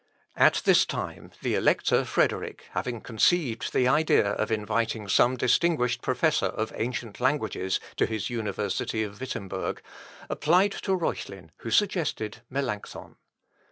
At this time, the Elector Frederick having conceived the idea of inviting some distinguished professor of ancient languages to his university of Wittemberg, applied to Reuchlin who suggested Melancthon.